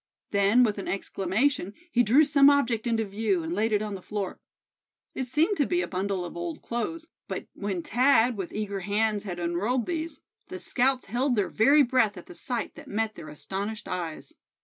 Then, with an exclamation, he drew some object into view, and laid it on the floor. It seemed to be a bundle of old clothes; but when Thad, with eager hands, had unrolled these, the scouts held their very breath at the sight that met their astonished eyes.